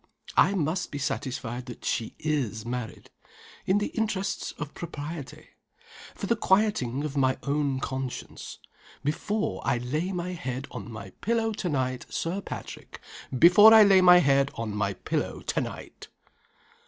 I must be satisfied that she is married. In the interests of propriety. For the quieting of my own conscience. Before I lay my head on my pillow to night, Sir Patrick before I lay my head on my pillow to night!"